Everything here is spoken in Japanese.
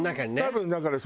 多分だから。